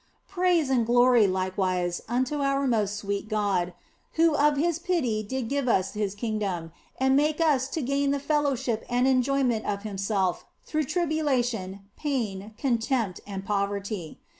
Praise and glory, likewise, unto our most sweet God, who of His pity did give us His kingdom, and make us to OF FOLIGNO 91 gain the fellowship and enjoyment of Himself through tribulation, pain, contempt, and poverty.